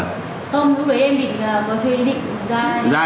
không lúc đấy em định có chơi ý định ra